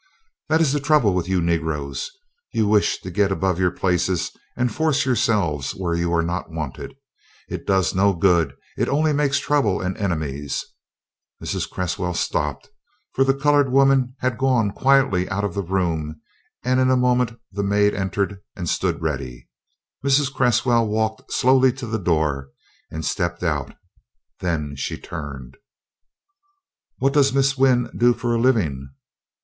"That is the trouble with you Negroes: you wish to get above your places and force yourselves where you are not wanted. It does no good, it only makes trouble and enemies." Mrs. Cresswell stopped, for the colored woman had gone quietly out of the room and in a moment the maid entered and stood ready. Mrs. Cresswell walked slowly to the door and stepped out. Then she turned. "What does Miss Wynn do for a living?"